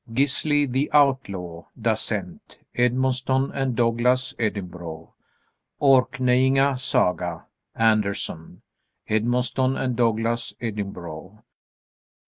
"Gisli the Outlaw," Dasent. Edmonston & Douglas, Edinburgh. "Orkneyinga Saga," Anderson. _Edmonston & Douglas, Edinburgh.